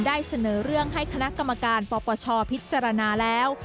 ได้เสนอเรื่องให้คณะกรรมการปปชพิจารณาแล้ว